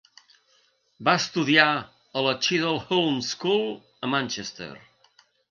Va estudiar a la Cheadle Hulme School a Manchester.